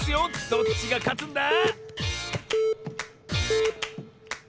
どっちがかつんだ？